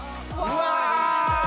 うわ！